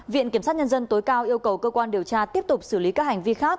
viện kiểm sát nhân dân tối cao yêu cầu cơ quan điều tra tiếp tục xử lý các hành vi khác